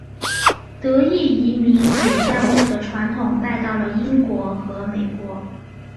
德裔移民也将这个传统带到了英国和美国。